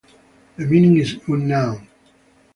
The meaning is unknown.